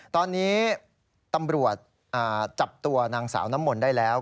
ตอนนี้ตำรวจจับตัวนางสาวน้ำมนต์ได้แล้ว